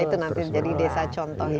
ya itu nanti jadi desa contoh itu